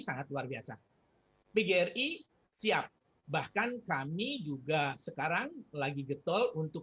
sangat luar biasa pgri siap bahkan kami juga sekarang lagi getol untuk